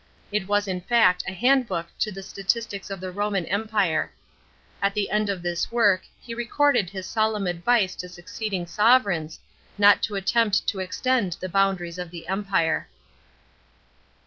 It was in fact a handbook to the statistics of the Roman Empire. At the end of this work he recorded his solemn advice to succeeding sovrans, not to attempt to extend the boundaries of the Empire.